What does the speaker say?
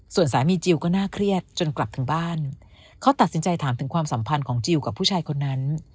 ส่วนสามีจิลก็น่าเครียดจนกลับถึงบ้านเขาตัดสินใจถามถึงความสัมพันธ์ของจิลกับผู้ชายคนนั้น